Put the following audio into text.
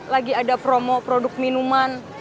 lagi ada promo produk minuman